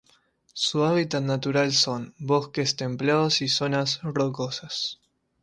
Su hábitat natural son: bosques templados y zonas rocosas.